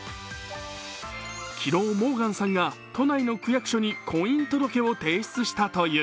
昨日モーガンさんが都内の区役所に婚姻届を提出したという。